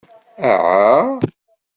Aɛa?